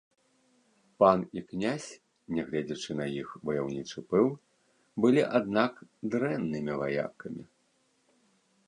Пан і князь, нягледзячы на іх ваяўнічы пыл, былі, аднак, дрэннымі ваякамі.